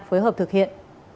phối hợp thực hiện